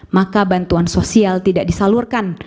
maka bantuan sosial tidak disalurkan